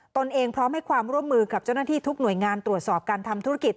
ตนเองพร้อมให้ความร่วมมือกับเจ้าหน้าที่ทุกหน่วยงานตรวจสอบการทำธุรกิจ